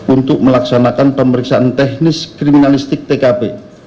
untuk melaksanakan pemeriksaan teknis kriminalistik tkp